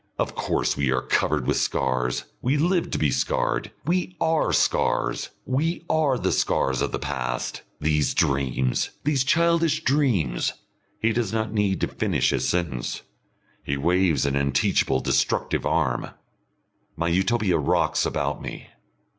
Of course we are covered with scars, we live to be scarred, we are scars! We are the scars of the past! These dreams, these childish dreams !" He does not need to finish his sentence, he waves an unteachable destructive arm. My Utopia rocks about me.